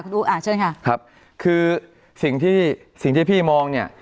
คุณอูอ่าเชิญค่ะครับคือสิ่งที่สิ่งที่พี่มองเนี่ย